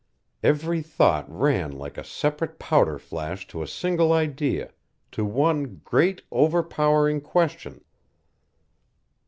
Every thought ran like a separate powder flash to a single idea, to one great, overpowering question.